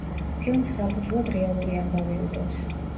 ფილმს საფუძვლად რეალური ამბავი უდევს.